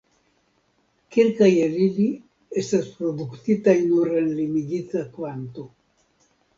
Kelkaj el ili estas produktitaj nur en limigita kvanto.